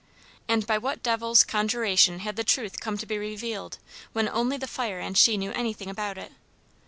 And by what devil's conjuration had the truth come to be revealed, when only the fire and she knew anything about it.